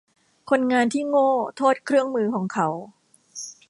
คนงานที่โง่โทษเครื่องมือของเขา